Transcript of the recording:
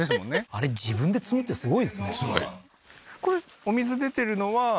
あれ自分で積むってすごいですね